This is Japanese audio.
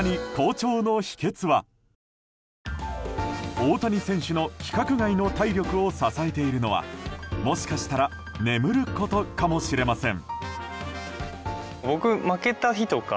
大谷選手の規格外の体力を支えているのはもしかしたら眠ることかもしれません。